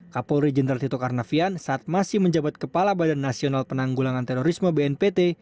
kapolri jenderal tito karnavian saat masih menjabat kepala badan nasional penanggulangan terorisme bnpt